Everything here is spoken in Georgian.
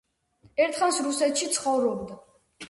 ერთხანს რუსეთში ცხოვრობდა.